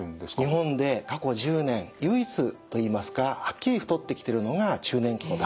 日本で過去１０年唯一といいますかはっきり太ってきてるのが中年期の男性層なんです。